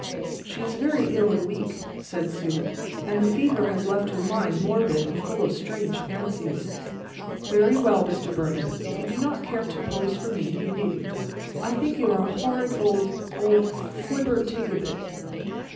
"She is very ill and weak," said Sue, "and the fever has left her mind morbid and full of strange fancies. Very well, Mr. Behrman, if you do not care to pose for me, you needn't. But I think you are a horrid old—old flibbertigibbet."